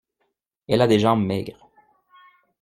Elle a des jambes maigres.